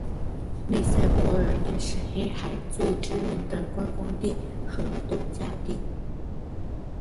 内塞伯尔也是黑海最知名的观光地和度假地。